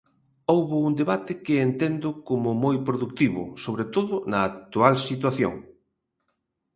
Houbo un debate que entendo como moi produtivo, sobre todo na actual situación.